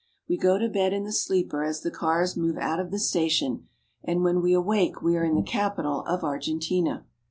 We go to bed in the sleeper as the cars move out of the station, and when we awake we are in the capital of Argentina.